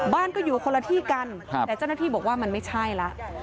บ้านก็อยู่คนละที่กันแต่เจ้าหน้าที่บอกว่ามันไม่ใช่แล้ว